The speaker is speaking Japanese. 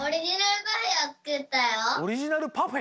オリジナルパフェ？